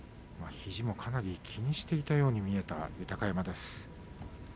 肘もかなり気にしていたような豊山です。